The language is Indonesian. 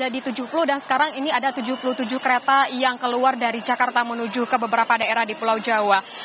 dan sekarang ini ada tujuh puluh tujuh kereta yang keluar dari jakarta menuju ke beberapa daerah di pulau jawa